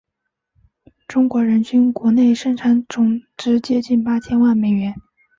中国人均国内生产总值接近八千万美元。